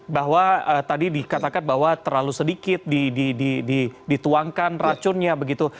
bahwa tadi dikatakan bahwa terlalu sedikit dituangkan racunnya begitu